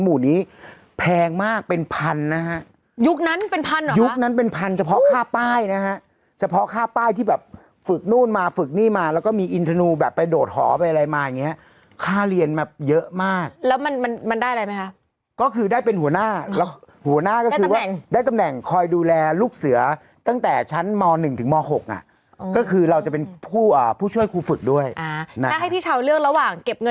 หรือเปล่าหรือเปล่าหรือเปล่าหรือเปล่าหรือเปล่าหรือเปล่าหรือเปล่าหรือเปล่าหรือเปล่าหรือเปล่าหรือเปล่าหรือเปล่าหรือเปล่าหรือเปล่าหรือเปล่าหรือเปล่าหรือเปล่าหรือเปล่าหรือเปล่าหรือเปล่าหรือเปล่าหรือเปล่าหรือเปล่าหรือเปล่าหรือเปล่าหรือเปล่าหรือเปล่าหรือเป